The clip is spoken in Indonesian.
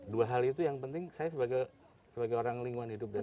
dua hal itu yang penting saya sebagai orang lingkungan hidup dan